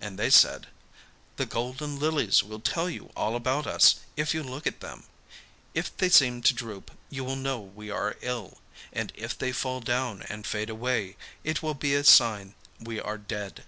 and they said, 'The golden lilies will tell you all about us if you look at them. If they seem to droop, you will know we are ill, and if they fall down and fade away, it will be a sign we are dead.